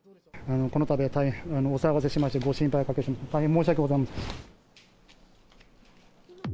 このたびは大変お騒がせしまして、ご心配をおかけしまして、大変申し訳ございません。